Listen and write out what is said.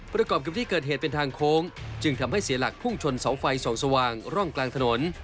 ประกอบกับที่เกิดเหตุเป็นทางโค้งจึงทำให้เสียหลักพุ่งชนเสาไฟส่องสว่างร่องกลางถนน